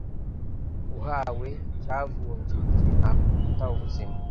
uhawe cyavunje jye nakuruta ubuzima.